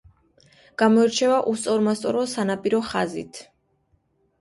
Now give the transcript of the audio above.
გამოირჩევა უსწორმასწორო სანაპირო ხაზით.